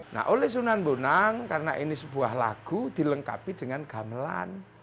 nah oleh sunan bonang karena ini sebuah lagu dilengkapi dengan gamelan